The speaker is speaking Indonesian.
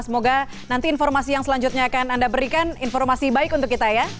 semoga nanti informasi yang selanjutnya akan anda berikan informasi baik untuk kita ya